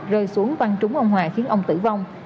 rơi xuống văn trúng ông hòa khiến ông tử vong